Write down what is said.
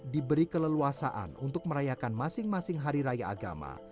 diberi keleluasaan untuk merayakan masing masing hari raya agama